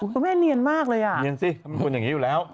คุณแม่เนียนมากเลยอ่ะเนียนสิเป็นคนอย่างนี้อยู่แล้ว